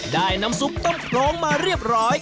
ได้น้ำซุปต้มโครงมาเรียบร้อย